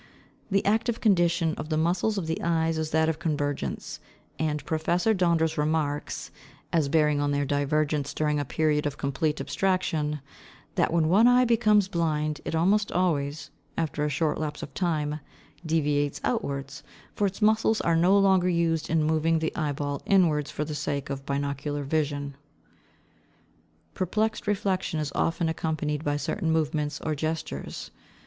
The active condition of the muscles of the eyes is that of convergence; and Professor Donders remarks, as bearing on their divergence during a period of complete abstraction, that when one eye becomes blind, it almost always, after a short lapse of time, deviates outwards; for its muscles are no longer used in moving the eyeball inwards for the sake of binocular vision. Perplexed reflection is often accompanied by certain movements or gestures.